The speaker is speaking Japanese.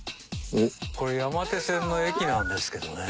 これ山手線の駅なんですけどね。